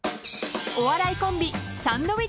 ［お笑いコンビ］